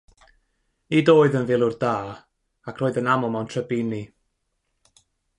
Nid oedd yn filwr da, ac roedd yn aml mewn trybini.